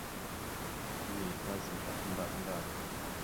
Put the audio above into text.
Mbiyez tazam ɗaf ndaɗ ndaɗ.